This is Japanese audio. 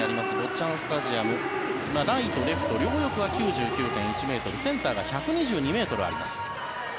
ちゃんスタジアムライト、レフト両翼は９９．１ｍセンターが１２２ｍあります。